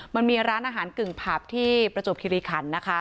มันมีร้านอาหารกึ่งผับที่ประจวบคิริขันนะคะ